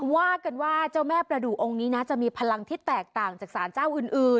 ว่ากันว่าเจ้าแม่ประดูกองค์นี้นะจะมีพลังที่แตกต่างจากสารเจ้าอื่น